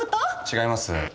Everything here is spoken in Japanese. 違います。